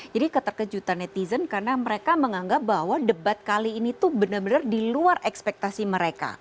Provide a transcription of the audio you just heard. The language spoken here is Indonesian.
jadi keterkejutan netizen karena mereka menganggap bahwa debat kali ini tuh benar benar diluar ekspektasi mereka